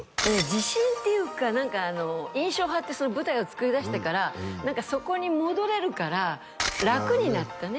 自信っていうか何か「印象派」って舞台を作りだしてからそこに戻れるから楽になったね